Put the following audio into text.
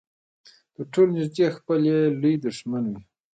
تر ټولو نږدې خپل يې لوی دښمن وي.